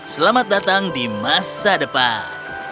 selamat datang di masa depan